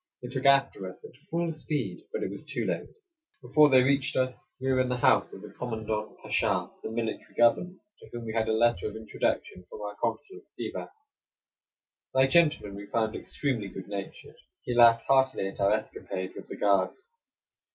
They took after us at full speed, but it was too late. Before they reached us we were in the house of the commandant pasha, the military governor, to whom we had a letter of introduction from our consul at Sivas. That gentleman we found extremely good natured; he laughed heartily at our escapade with the guards.